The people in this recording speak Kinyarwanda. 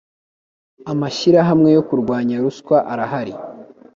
amashyirahamwe yo kurwanya ruswa arahari